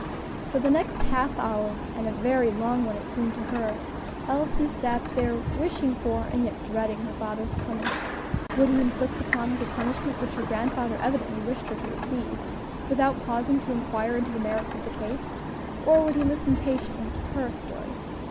For the next half hour and a very long one it seemed to her Elsie sat there wishing for, and yet dreading her father's coming. Would he inflict upon her the punishment which her grandfather evidently wished her to receive, without pausing to inquire into the merits of the case? or would he listen patiently to her story?